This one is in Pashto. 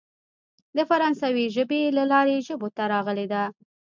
د فرانسوۍ ژبې له لارې ژبو ته راغلې ده.